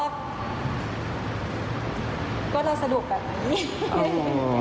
ก็เราสนุกแบบนี้